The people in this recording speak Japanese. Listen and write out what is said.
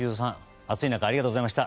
暑い中ありがとうございました。